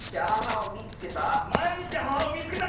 「まいにちアハハをみいつけた！」？